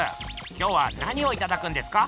今日は何をいただくんですか？